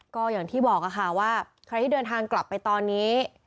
ก็อย่างที่บอกค่ะว่าใครที่เดินทางกลับไปตอนนี้